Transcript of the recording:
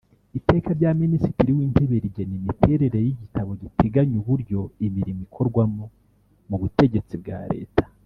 Iteka rya Minisitiri w’Intebe rigena imiterere y’Igitabo giteganya uburyo imirimo ikorwamo mu Butegetsi bwa Leta